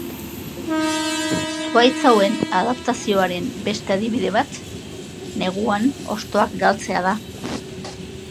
Zuhaitz hauen adaptazioaren beste adibide bat, neguan hostoak galtzea da.